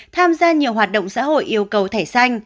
tham gia nhiều hoạt động xã hội yêu cầu thẻ xanh